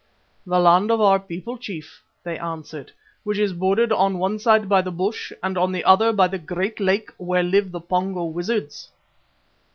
"The land of our people, Chief," they answered, "which is bordered on one side by the bush and on the other by the great lake where live the Pongo wizards."